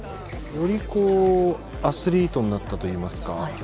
よりアスリートになったといいますか。